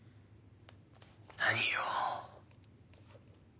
何よ。